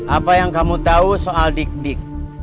apa yang kamu tahu soal dik dik